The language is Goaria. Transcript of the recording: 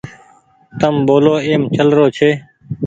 تم ٻولو ايم ڇلرو ڇي